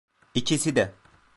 İkisi de.